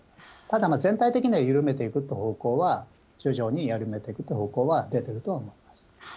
ただ、全体的には緩めていくという方向は、徐々に緩めてくという方向は出てるとは思います。